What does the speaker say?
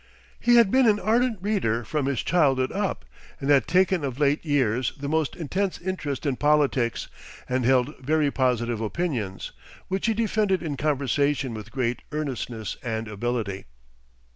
He had been an ardent reader from his childhood up, and had taken of late years the most intense interest in politics and held very positive opinions, which he defended in conversation with great earnestness and ability.